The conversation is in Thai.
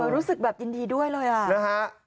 รู้สึกแบบยินดีด้วยเลย